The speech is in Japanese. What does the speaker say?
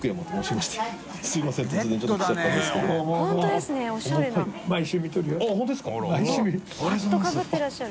ハットかぶってらっしゃる。